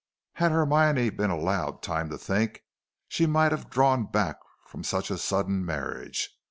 Had Hermione been allowed time to think, she might have drawn back from such a sudden marriage.